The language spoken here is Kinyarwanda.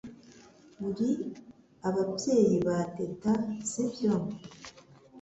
Uri ababyeyi ba Teta sibyo